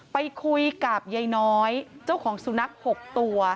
ไปคุยกับยายน้อยเจ้าของสุนัข๖ตัว